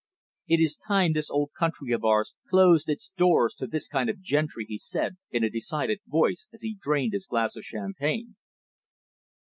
"It is time this old country of ours closed its doors to this kind of gentry," he said, in a decided voice, as he drained his glass of champagne.